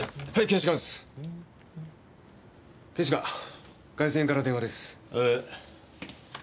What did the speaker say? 検視官外線から電話です。